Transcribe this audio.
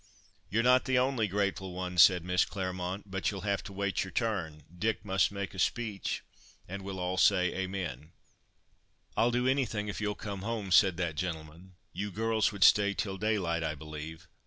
"You're not the only grateful one," said Miss Claremont, "but you'll have to wait your turn. Dick must make a speech, and we'll all say Amen." "I'll do anything if you'll come home," said that gentleman. "You girls would stay till daylight, I believe.